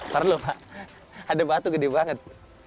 ternyata ada batu gede banget